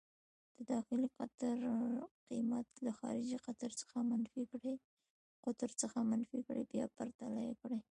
د داخلي قطر قېمت له خارجي قطر څخه منفي کړئ، بیا پرتله یې کړئ.